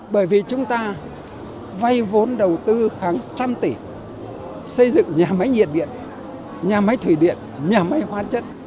bởi vì chúng ta vay vốn đầu tư hàng trăm tỷ xây dựng nhà máy nhiệt điện nhà máy thủy điện nhà máy hóa chất